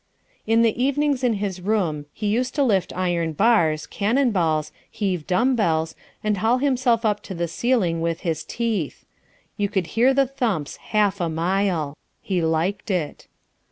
In the evenings in his room he used to lift iron bars, cannon balls, heave dumb bells, and haul himself up to the ceiling with his teeth. You could hear the thumps half a mile. He liked it.